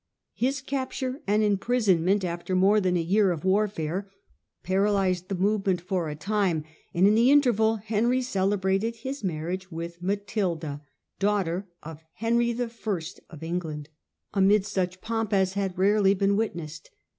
His capture and imprisonment, after more than a year of warfare, paralysed the movement for a time, and in the interval Henry celebrated his marriage with Matilda, daughter of Henry I. of England, amid such pomp as had rarely been witnessed.